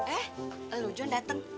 eh lo jon dateng